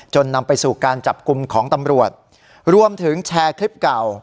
นำไปสู่การจับกลุ่มของตำรวจรวมถึงแชร์คลิปเก่า